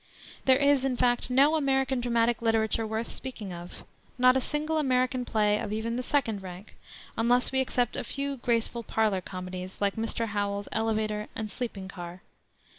There is, in fact, no American dramatic literature worth speaking of; not a single American play of even the second rank, unless we except a few graceful parlor comedies, like Mr. Howell's Elevator and Sleeping Car.